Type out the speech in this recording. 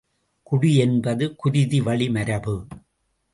குடி என்பது குருதி வழி மரபு.